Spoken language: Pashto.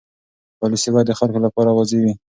پالیسي باید د خلکو لپاره واضح وي.